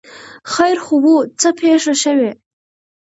ـ خیر خو وو، څه پېښه شوې؟